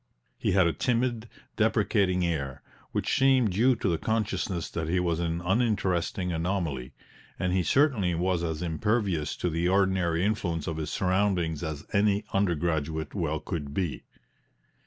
He had a timid, deprecating air, which seemed due to the consciousness that he was an uninteresting anomaly, and he certainly was as impervious to the ordinary influence of his surroundings as any undergraduate well could be.